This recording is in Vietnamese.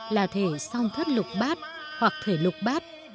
là thể song thất lục bát hoặc thể lục bát